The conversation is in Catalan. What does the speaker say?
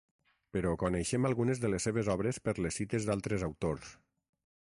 Però coneixem algunes de les seves obres per les cites d'altres autors.